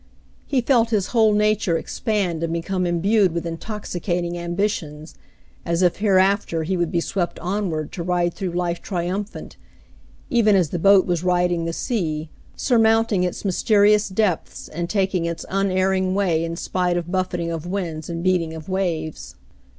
He felt his whole nature expand and become imbued with intoxicating ambitions, as if hereafter he would be swept onward to ride through life triumphant, even as the boat was riding the sea, surmounting its mysterious depths and taking its unerring way in spite of buffeting of winds and beating of waves.